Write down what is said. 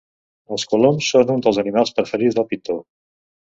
Els coloms són uns dels animals preferits del pintor.